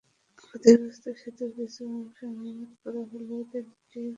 ক্ষতিগ্রস্ত সেতুর কিছু অংশ মেরামত করা হলেও তিনটি গার্ডার সংস্কার করা হয়নি।